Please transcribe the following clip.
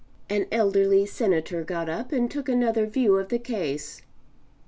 An elderly Senator got up and took another view of the case.